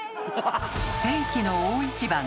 世紀の大一番。